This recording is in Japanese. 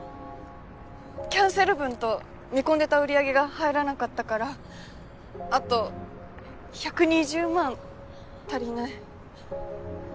キャンセル分と見込んでた売り上げが入らなかったからあと１２０万足りない。